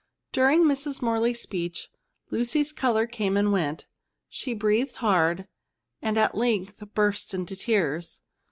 During Mrs. Morley's speech, Lucy's colour came and went ; she breathed hard, and at length burst into tears.